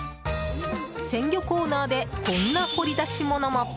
鮮魚コーナーでこんな掘り出し物も。